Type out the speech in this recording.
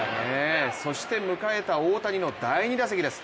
そして迎えた大谷の第２打席です。